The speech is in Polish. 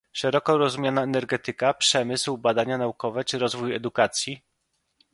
szeroko rozumiana energetyka, przemysł, badania naukowe czy rozwój edukacji